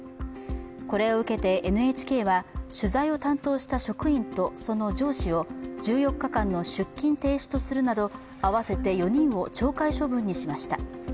これを受けて、ＮＨＫは取材を担当した職員と、その上司を１４日間の出勤停止とするなど合わせて４人を懲戒処分にしました。